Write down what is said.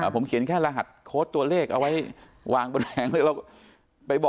ผมเขียนแค่รหัสโค้ดตัวเลขเอาไว้วางบนแผงเลยเรา